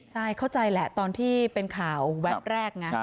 ใช่เข้าใจแหละตอนที่เป็นข่าวแวบแรกนะ